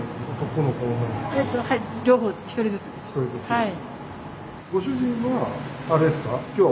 はい。